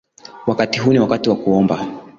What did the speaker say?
Wakati huu ni wakati wa kuomba